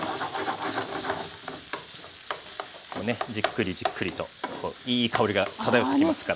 じっくりじっくりといい香りが漂ってきますから。